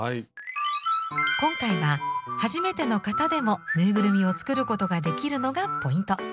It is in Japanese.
今回は初めての方でもぬいぐるみを作ることができるのがポイント。